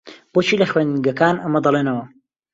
بۆچی لە خوێندنگەکان ئەمە دەڵێنەوە؟